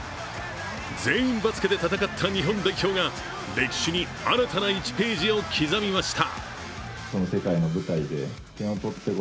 全員バスケで戦った日本代表が歴史に新たな１ページを刻みました。